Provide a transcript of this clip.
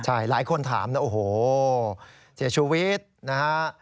ใช่หลายคนถามนะโอ้โหเสียชีวิตนะฮะ